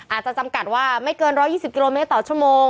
จำกัดว่าไม่เกิน๑๒๐กิโลเมตรต่อชั่วโมง